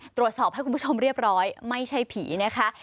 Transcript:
ตรวจสอบให้คุณผู้ชมเรียบร้อยไม่ใช่ผีนะคะ